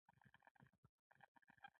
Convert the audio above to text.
د ناموس د کرامت له زاويې دباندې هغه څه ليکي.